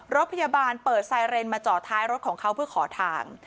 รถพยาบาลเปิดไซเรนมาจอดท้ายรถของเขาเพื่อขอทาง